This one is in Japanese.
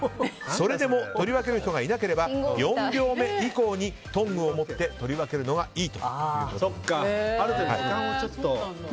それでも取り分ける人がいなければ４秒目以降にトングを持って取り分けるのがいいということなんです。